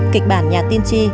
kịch bản nhà tiên tri